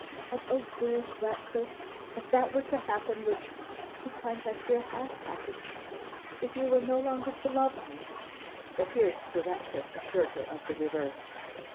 And oh! dearest Ratcliffe, if that were to happen, which sometimes I fear has happened, if you were no longer to love me ' But here Sir Ratcliffe assured her of the reverse.